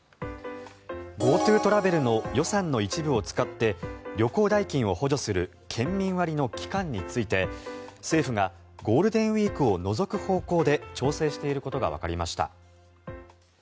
ＧｏＴｏトラベルの予算の一部を使って旅行代金を補助する県民割の期間について政府がゴールデンウィークを除く方向で調整していることがわかりました。